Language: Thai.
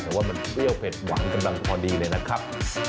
แต่ว่ามันเปรี้ยวเผ็ดหวานกำลังพอดีเลยนะครับ